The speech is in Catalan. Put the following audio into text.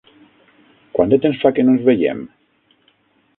Quant de temps fa que no ens veiem?